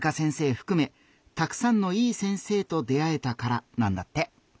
ふくめたくさんのいい先生と出会えたからなんだって。